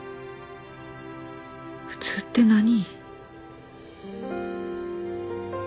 普通って何？